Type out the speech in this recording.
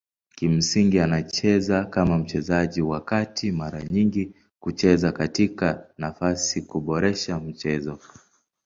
Kimsingi anacheza kama mchezaji wa kati mara nyingi kucheza katika nafasi kuboresha mchezo.